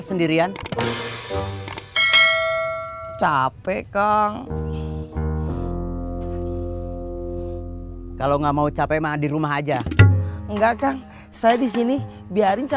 sendirian capek kang kalau nggak mau capek makan di rumah aja enggak kang saya disini biarin